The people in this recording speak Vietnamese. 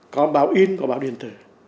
có báo yên có báo điện tử